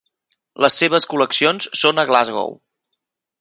Les seves col·leccions són a Glasgow.